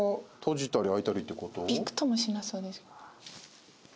びくともしなさそうです。